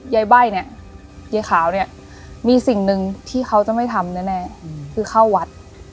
ใบ้เนี่ยยายขาวเนี่ยมีสิ่งหนึ่งที่เขาจะไม่ทำแน่คือเข้าวัด